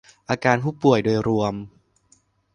อาการผู้ป่วยโดยรวม